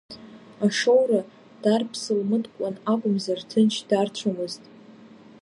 Ашоура дарԥсылмыткуан акәымзар, ҭынч дарцәомызт.